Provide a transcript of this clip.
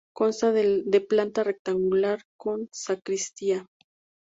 Consta de planta rectangular con sacristía.